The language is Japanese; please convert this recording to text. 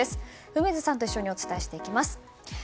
梅津さんと一緒にお伝えしていきます。